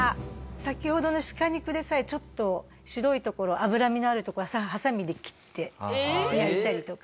先ほどの鹿肉でさえちょっと白い所脂身のある所ははさみで切って焼いたりとか。